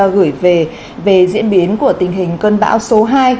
gửi về diễn biến của tình hình cơn bão số hai